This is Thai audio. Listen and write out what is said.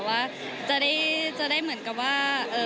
ว่าจะได้เหมือนกับว่า